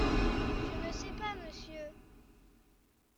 Je ne sais pas, Monsieur.